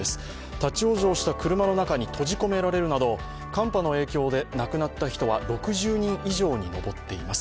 立ち往生した車の中に閉じ込められるなど寒波の影響で亡くなった人は６０人以上に上っています。